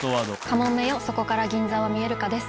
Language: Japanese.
『カモメよ、そこから銀座は見えるか？』です。